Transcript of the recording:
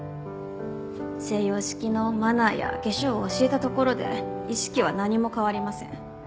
西洋式のマナーや化粧を教えたところで意識は何も変わりません。